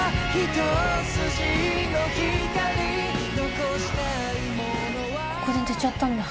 ここで寝ちゃったんだ